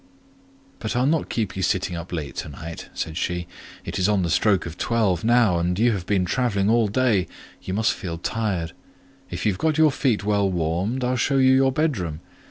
"But I'll not keep you sitting up late to night," said she; "it is on the stroke of twelve now, and you have been travelling all day: you must feel tired. If you have got your feet well warmed, I'll show you your bedroom.